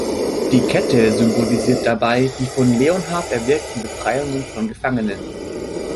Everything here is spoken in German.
Die Kette symbolisiert dabei die von Leonhard erwirkten Befreiungen von Gefangenen.